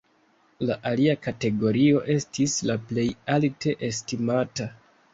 La alia kategorio estis la plej alte estimata.